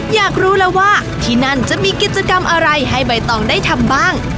อยากรู้แล้วว่าที่นั่นจะมีกิจกรรมอะไรให้ใบตองได้ทำบ้าง